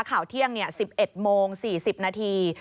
ข่าวเที่ยง๑๑โมง๔๐นาที